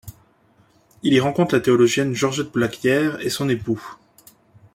Il y rencontre la théologienne Georgette Blaquière et son époux.